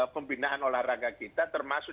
pembinaan olahraga kita termasuk